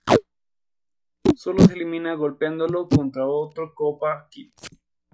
Solo se elimina golpeándolo con otro Koopa kid.